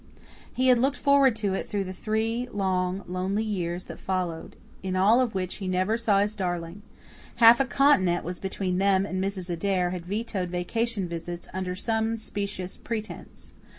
He had looked forward to it through the three long, lonely years that followed, in all of which he never saw his darling. Half a continent was between them and Mrs. Adair had vetoed vacation visits, under some specious pretense.